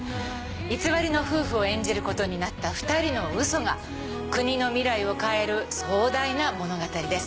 偽りの夫婦を演じることになった２人のウソが国の未来を変える壮大な物語です。